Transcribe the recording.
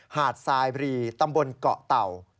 หาดทรายบรีตำบลเกาะเต่า